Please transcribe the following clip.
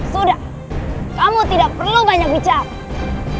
sudah kamu tidak perlu banyak bicara